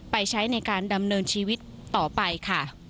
ใช้ในการดำเนินชีวิตต่อไปค่ะ